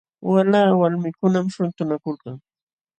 Walanqa walmikunam shuntunakuykan.